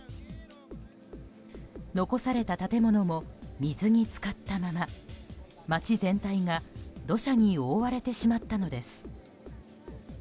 残された建物も水に浸かったまま街全体が土砂に覆われてしまったのです。